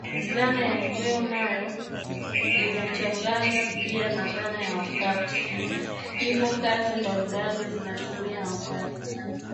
Dhana ya njeo nayo, inachanganywa pia na dhana ya wakati, hivyo kazi mbalimbali zinatumia wakati